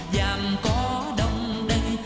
dàm cỏ đông đầy